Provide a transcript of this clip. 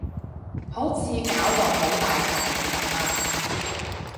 好似搞到好大壇嘢噉啊